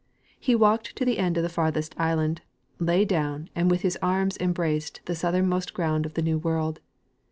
He walked to the end of the farthest island, lay down, and with his arms embraced the southernmost ground of the new world.